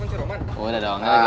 eh gimana lu udah terangkan si roman